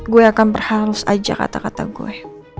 gue akan berhalus aja kata kata gue